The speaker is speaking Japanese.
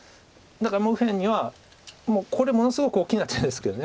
だからもう右辺にはこれものすごく大きな手ですけど。